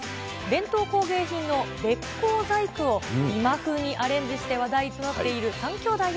伝統工芸品のべっ甲細工を今風にアレンジして話題となっている